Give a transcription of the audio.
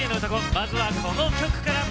まずはこの曲から。